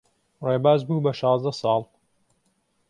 ڕێباز بوو بە شازدە ساڵ.